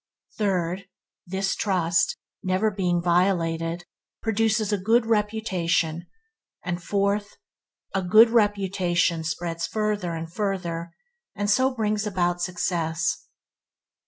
Third, this trust, never being violated, produces a good reputation; and fourth, a good reputation spreads further and further, and so bring about success.